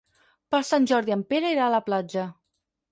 Per Sant Jordi en Pere irà a la platja.